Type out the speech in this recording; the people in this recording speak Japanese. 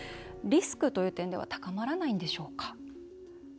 リスクという点では高まらないんでしょうか？